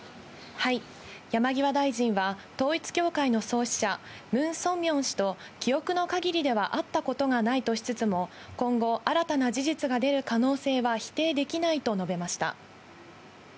山際大臣は統一教会の創始者、ムン・ソンミョン氏と記憶のかぎりでは会ったことがないとしつつも、今後、新たな事実が出る可能性は否定できないと述べました。